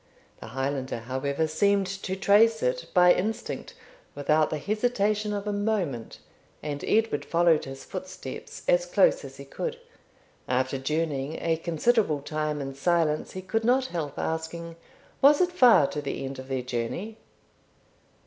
The Highlander, however, seemed to trace it by instinct, without the hesitation of a moment, and Edward followed his footsteps as close as he could. After journeying a considerable time in silence, he could not help asking, 'Was it far to the end of their journey?'